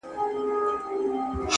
پوه انسان د حقیقت پر لور روان وي!